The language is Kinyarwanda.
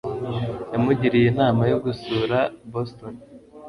yamugiriye inama yo gusura boston